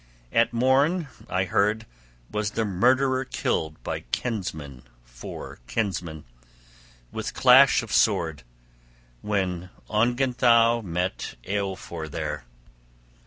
At morn, I heard, was the murderer killed by kinsman for kinsman, {33a} with clash of sword, when Ongentheow met Eofor there.